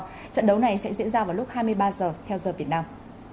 trận đấu này sẽ diễn ra vào lúc hai mươi ba h theo giờ việt nam